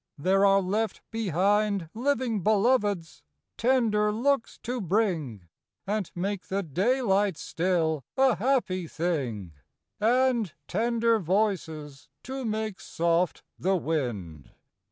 there are left behind Living Beloveds, tender looks to bring, And make the daylight still a happy thing, And tender voices, to make soft the wind.